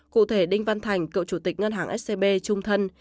cụ thể đinh văn thành cựu chủ tịch ngân hàng scb trung thân